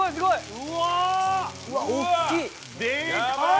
うわっ大きい。